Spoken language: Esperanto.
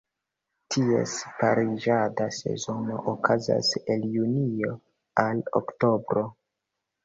Ties pariĝada sezono okazas el Junio al Oktobro.